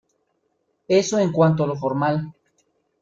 Eso en cuanto a lo formal.